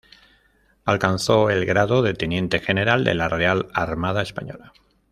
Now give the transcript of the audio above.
Alcanzó el grado de teniente general de la Real Armada Española.